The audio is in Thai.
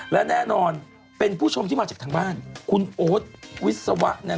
และแน่นอนเป็นผู้ชมที่มาจากทางบ้านคุณโอ๊ตวิศวะ